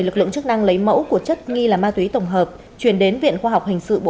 lực lượng chức năng lấy mẫu của chất nghi là ma túy tổng hợp chuyển đến viện khoa học hình sự bộ